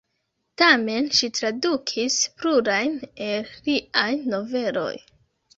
Tamen ŝi tradukis plurajn el liaj noveloj.